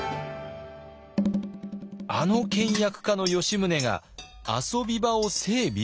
あの倹約家の吉宗が遊び場を整備？